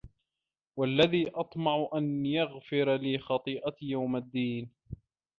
وَالَّذي أَطمَعُ أَن يَغفِرَ لي خَطيئَتي يَومَ الدّينِ